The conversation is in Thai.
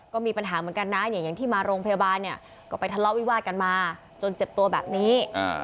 ก็มีปัญหาเหมือนกันนะอย่างที่มาโรงพยาบาลเนี่ยก็ไปทะเลาะวิวาดกันมาจนเจ็บตัวแบบนี้